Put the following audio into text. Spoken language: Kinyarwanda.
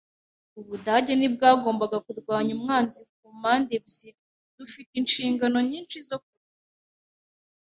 Ubudage ntibwagombaga kurwanya umwanzi kumpande ebyiri. Dufite inshingano nyinshi zo kuruhuka.